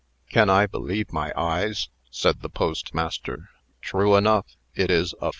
"Can I believe my eyes?" said the postmaster. "True enough, it is a 5.